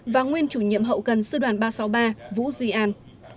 và nguyên chủ nhiệm hậu cần sư đoàn ba trăm sáu mươi ba vũ duy an